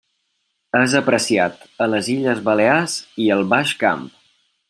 És apreciat a les illes Balears i al Baix Camp.